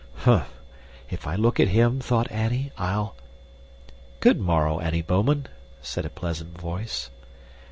Humph! if I look at him, thought Annie, I'll "Good morrow, Annie Bouman," said a pleasant voice.